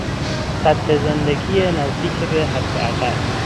سطح زندگی نزدیک به حداقل